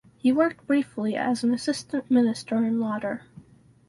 He worked briefly as an assistant minister in Lauder.